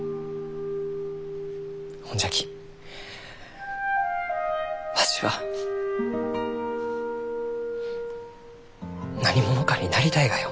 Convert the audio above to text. ほんじゃきわしは何者かになりたいがよ。